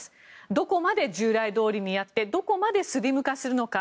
どこまで従来どおりにやってどこまでスリム化するのか。